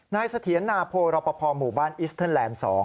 เสถียรนาโพรอปภหมู่บ้านอิสเตอร์แลนด์๒